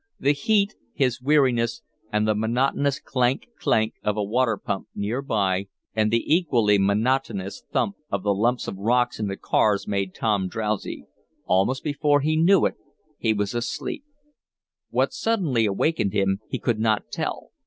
The heat, his weariness and the monotonous clank clank of a water pump near by, and the equally monotonous thump of the lumps of rocks in the cars made Tom drowsy. Almost before he knew it he was asleep. What suddenly awakened him he could not tell.